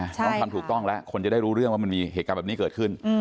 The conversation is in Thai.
ต้องทำถูกต้องแล้วคนจะได้รู้เรื่องว่ามันมีเหตุการณ์แบบนี้เกิดขึ้น